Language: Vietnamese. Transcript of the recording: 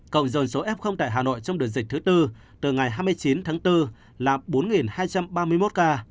cộng rời số f tại hà nội trong đợt dịch thứ tư từ ngày hai mươi chín tháng bốn là bốn hai trăm ba mươi một ca